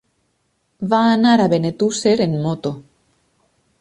Va anar a Benetússer amb moto.